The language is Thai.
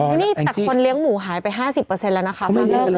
นี่แต่คนเลี้ยงหมูหายไป๕๐แล้วนะคะภาพนี้